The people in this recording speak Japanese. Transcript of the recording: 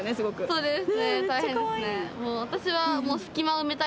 そうです。